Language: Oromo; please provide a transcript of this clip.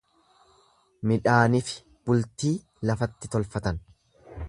Midhaanifi bultii lafatti tolfatan.